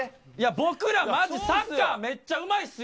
僕らマジサッカーめっちゃうまいですよ。